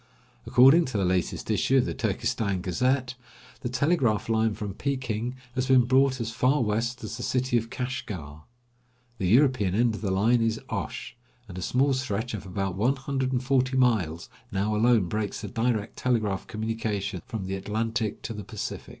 According to the latest issue of the Turkestan 'Gazette,' the telegraph line from Peking has been brought as far west as the city of Kashgar. The European end of the line is at Osh, and a small stretch of about 140 miles now alone breaks the direct telegraph communication from the Atlantic to the Pacific."